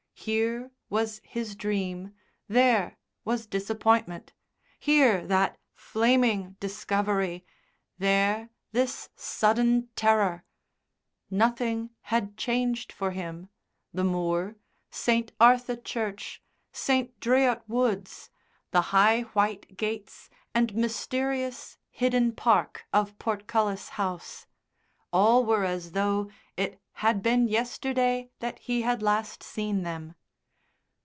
Here was his dream, there was disappointment, here that flaming discovery, there this sudden terror nothing had changed for him, the Moor, St. Arthe Church, St. Dreot Woods, the high white gates and mysterious hidden park of Portcullis House all were as though it had been yesterday that he had last seen them.